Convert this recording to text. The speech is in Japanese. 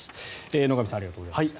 野上さんありがとうございました。